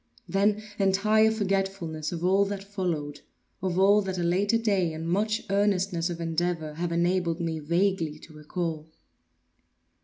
Then entire forgetfulness of all that followed; of all that a later day and much earnestness of endeavor have enabled me vaguely to recall.